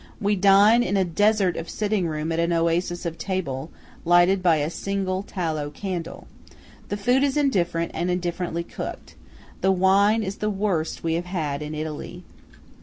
We dine in a desert of sitting room at an oasis of table, lighted by a single tallow candle. The food is indifferent and indifferently cooked. The wine is the worst we have had in Italy.